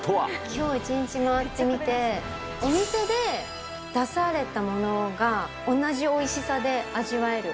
きょう一日回ってみて、お店で出されたものが同じおいしさで味わえる。